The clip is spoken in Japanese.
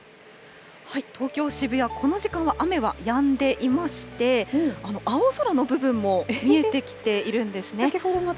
東京・渋谷、この時間は雨はやんでいまして、青空の部分も見えてきているんですね。